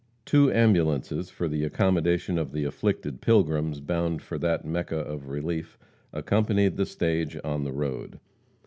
Two ambulances for the accommodation of the afflicted pilgrims bound for that Mecca of relief, accompanied the stage on the road.